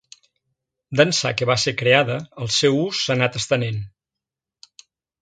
D'ençà que va ser creada, el seu ús s'ha anat estenent.